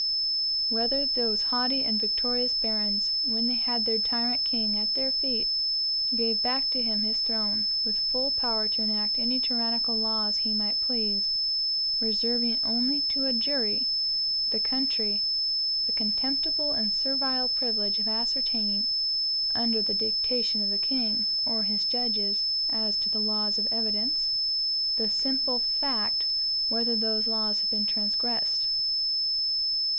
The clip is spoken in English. Whether those haughty and victorious barons, when they had their tyrant king at their feet, gave back to him his throne, with full power to enact any tyrannical laws he might please, reserving only to a jury (" the country") the contemptible and servile privilege of ascertaining, (under the dictation of the king, or his judges, as to the laws of evidence), the simple fact whether those laws had been transgressed?